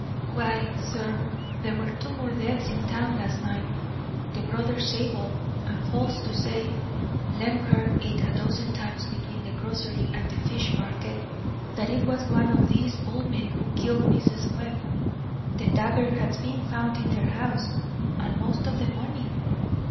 "Why, sir, there were two more deaths in town last night the brothers Zabel; and folks do say (Lem heard it a dozen times between the grocery and the fish market) that it was one of these old men who killed Mrs. Webb. The dagger has been found in their house, and most of the money.